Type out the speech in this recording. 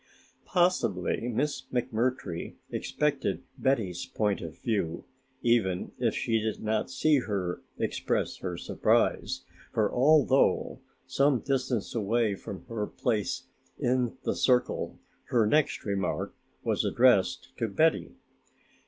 Possibly Miss McMurtry expected Betty's point of view, even if she did not see her express her surprise, for although some distance away from her place in the circle her next remark was addressed to Betty.